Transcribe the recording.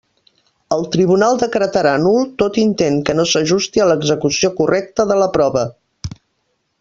El tribunal decretarà nul tot intent que no s'ajusti a l'execució correcta de la prova.